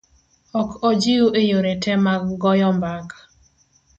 Ok ojiw e yore te mag goyo mbaka.